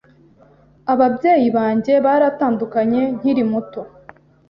Ababyeyi banjye baratandukanye nkiri muto.